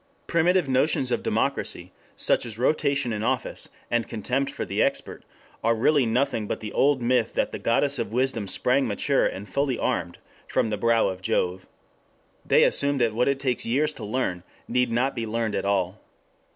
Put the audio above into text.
Primitive notions of democracy, such as rotation in office, and contempt for the expert, are really nothing but the old myth that the Goddess of Wisdom sprang mature and fully armed from the brow of Jove. They assume that what it takes years to learn need not be learned at all.